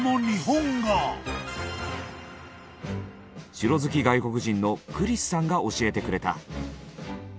城好き外国人のクリスさんが教えてくれた。